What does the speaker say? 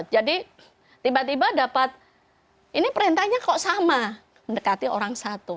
jadi tiba tiba dapat ini perintahnya kok sama mendekati orang satu